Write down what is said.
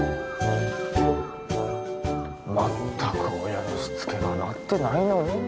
まったく親のしつけがなってないのう